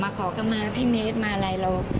มาขอกลับมาพี่เมฆมาอะไรแล้ว